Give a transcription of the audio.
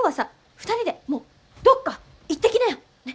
２人でもうどっか行ってきなよ！ね。